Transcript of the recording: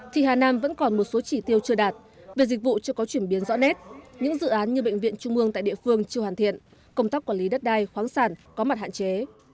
thì hà nam vẫn còn một số chỉ tiêu chưa đạt về dịch vụ chưa có chuyển biến rõ nét những dự án như bệnh viện trung mương tại địa phương chưa hoàn thiện công tác quản lý đất đai khoáng sản có mặt hạn chế